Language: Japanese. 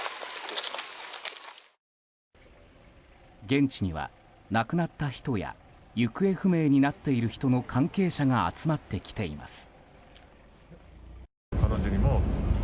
現地には亡くなった人や行方不明になっている人の関係者が集まってきています。